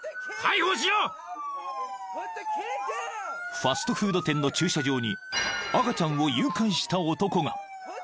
［ファストフード店の駐車場に赤ちゃんを誘拐した男が］